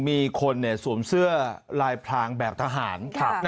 มีคนสวมเสื้อลายพลางแบบทหาร